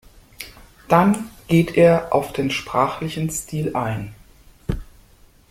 Dann geht er auf den sprachlichen Stil ein.